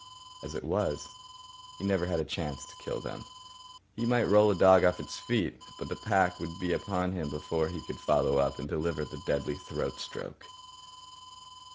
As it was, he never had a chance to kill them. He might roll a dog off its feet, but the pack would be upon him before he could follow up and deliver the deadly throat stroke.